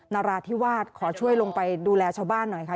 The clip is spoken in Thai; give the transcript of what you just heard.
นาราธิวาสขอช่วยลงไปดูแลชาวบ้านหน่อยค่ะ